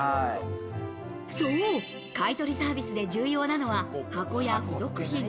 そう、買取サービスで重要なのは、箱や付属品。